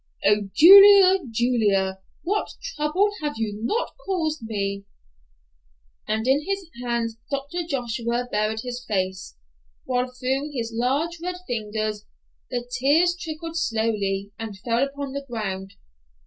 Oh, Julia, Julia, what trouble have you not caused me!" and in his hands Uncle Joshua buried his face, while through his large red fingers the tears trickled slowly, and fell upon the ground.